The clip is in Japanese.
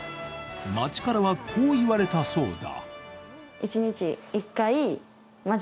町からは、こう言われたそうだ。